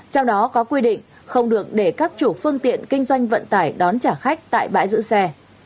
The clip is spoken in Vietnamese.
trong đó có quy định không được để các chủ phương tiện kinh doanh vận tải đón trả khách tại bãi giữ xe